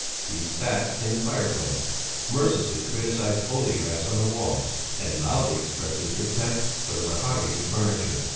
He spat in the fire place, mercilessly criticized the oleographs on the walls, and loudly expressed his contempt for the mahogany furniture.